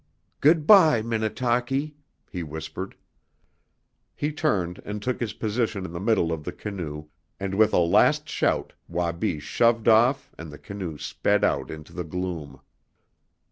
"Good by, Minnetaki," he whispered. He turned and took his position in the middle of the canoe, and with a last shout Wabi shoved off and the canoe sped out into the gloom.